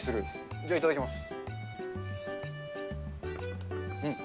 じゃあいただきます。